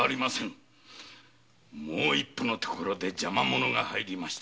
もう一歩のところで邪魔者が入り連れ戻す事は。